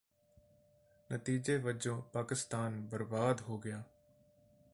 ਨਤੀਜੇ ਵੱਜੋ ਪਾਕਿਸਤਾਨ ਬਰਬਾਦ ਹੋ ਰਿਹਾ ਹੈ